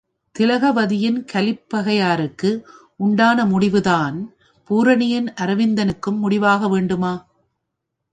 திலகவதியின் கலிப்பகையாருக்கு உண்டான முடிவு தான், பூரணியின் அரவிந்தனுக்கும் முடிவாக வேண்டுமா?